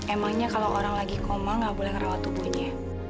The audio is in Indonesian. emangnya kalau orang lagi koma gak boleh ngerawat tubuhnya